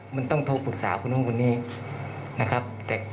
มันต้องโทรปรึกษาคุณฮงพุทธนี่นะครับ